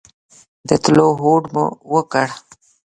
د تلو هوډ مو وکړ.